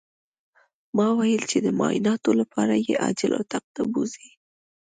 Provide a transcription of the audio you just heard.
ما ويل چې د معايناتو لپاره يې عاجل اتاق ته بوځئ.